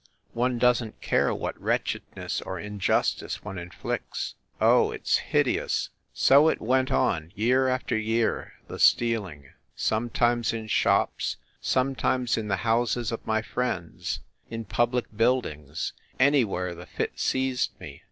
One doesn t care what wretchedness or in justice one inflicts. Oh, it s hideous ! So it went on, year after year, the stealing. Some times in shops, sometimes in the houses of my friends, in public buildings anywhere the fit seized me.